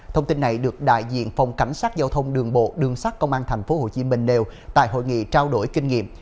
thông tin này được đại diện phòng cảnh sát giao thông đường bộ đường sát công an tp hcm nêu tại hội nghị trao đổi kinh nghiệm